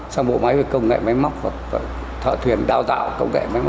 và bổ mã thị trường